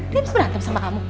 dia abis berantem sama kamu